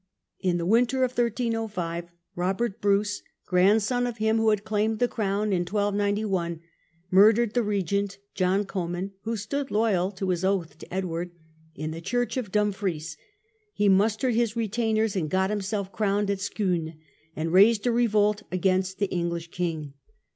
In the winter of 1305 Robert Bruce, grandson of him who had claimed the crown in 1291, murdered the regent John Comyn (who stood loyal to his oath to Edward) in the church of Dumfries; he mustered his retainers, got himself crowned at Scone, and raised a revolt against the English king.